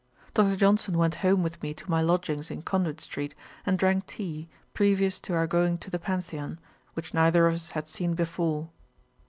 Dr. Johnson went home with me to my lodgings in Conduit street and drank tea, previous to our going to the Pantheon, which neither of us had seen before.